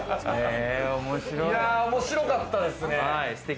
面白かったですね。